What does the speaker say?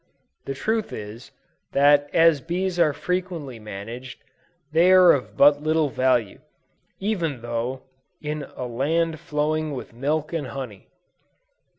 The truth is, that as bees are frequently managed, they are of but little value, even though in "a land flowing with milk and honey."